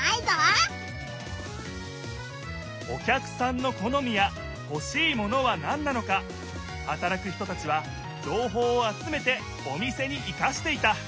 お客さんの好みやほしいものは何なのかはたらく人たちは情報を集めてお店に活かしていた！